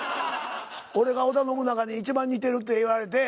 俺が織田信長に一番似てるって言われて。